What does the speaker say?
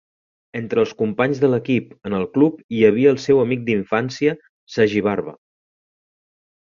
Entre els companys de l'equip en el club hi havia el seu amic d'infància Sagibarba.